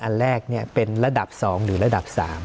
อันแรกเป็นระดับ๒หรือระดับ๓